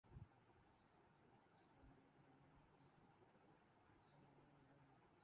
spot fixing اسکینڈلناصر جمشید کیخلاف case کا فیصلہ محفوظ